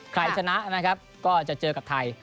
ใครชนะก็จะเจอกับไทย